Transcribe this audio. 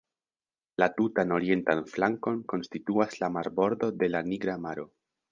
La tutan orientan flankon konstituas la marbordo de la Nigra Maro.